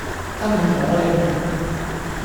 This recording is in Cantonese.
真係攞你命